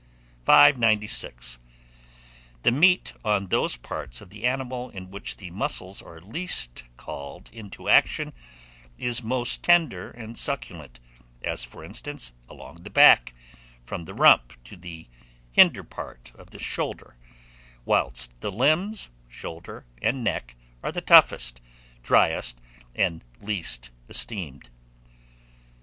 596. THE MEAT ON THOSE PARTS OF THE ANIMAL in which the muscles are least called into action, is most tender and succulent; as, for instance, along the back, from the rump to the hinder part of the shoulder; whilst the limbs, shoulder, and neck, are the toughest, driest, and least esteemed.